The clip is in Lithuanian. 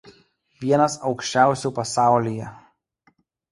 Vienas aukščiausių pasaulyje.